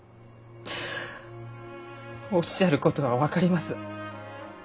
おっしゃることは分かります。